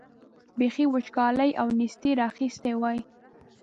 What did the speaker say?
بېخي وچکالۍ او نېستۍ را اخیستي وای.